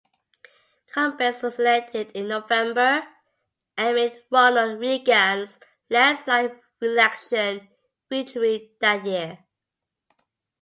Combest was elected in November amid Ronald Reagan's landslide reelection victory that year.